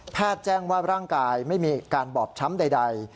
แจ้งว่าร่างกายไม่มีการบอบช้ำใด